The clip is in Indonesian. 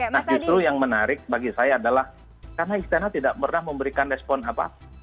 nah justru yang menarik bagi saya adalah karena istana tidak pernah memberikan respon apa